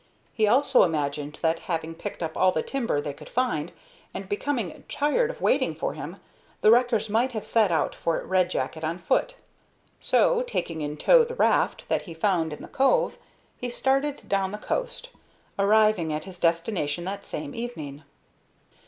He also imagined that, having picked up all the timber they could find, and becoming tired of waiting for him, the wreckers might have set out for Red Jacket on foot. So, taking in tow the raft that he found in the cove, he started down the coast, arriving at his destination that same evening.